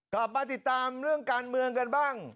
กลับมาติดตามเรื่องการเมืองกันบ้าง